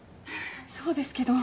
そうですけど。